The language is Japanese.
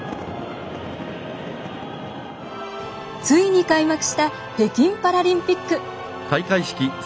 ついに開幕した北京パラリンピック。